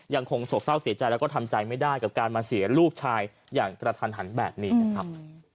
โศกเศร้าเสียใจแล้วก็ทำใจไม่ได้กับการมาเสียลูกชายอย่างกระทันหันแบบนี้นะครับ